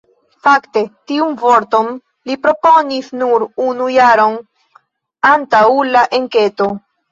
Fakte, tiun vorton li proponis nur unu jaron antaŭ la enketo.